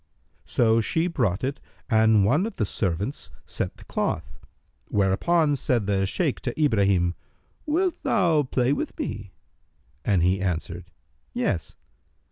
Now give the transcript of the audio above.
So she brought it and one of the servants set the cloth;[FN#303] whereupon said the Shaykh to Ibrahim, "Wilt thou play with me?"; and he answered, "Yes."